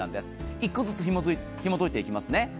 １個ずつひもといていきますね。